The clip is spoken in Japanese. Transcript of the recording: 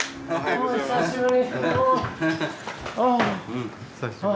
おお久しぶり。